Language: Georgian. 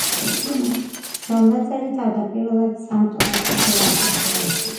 ხელნაწერი თავდაპირველად სამ ტომად ყოფილა აკინძული.